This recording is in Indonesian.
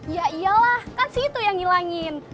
ya iyalah kan situ yang ngilangin